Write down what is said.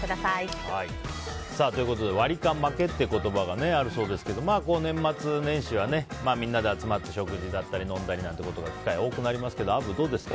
ということでワリカン負けという言葉があるそうですけど年末年始はみんなで集まったり食事だったり飲んだりという機会が多くなりますがアブ、どうですか？